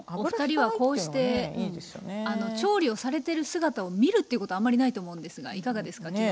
お二人はこうして調理をされてる姿を見るということあんまりないと思うんですがいかがですか？